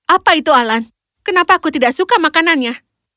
apa itu alan kenapa aku tidak suka makanannya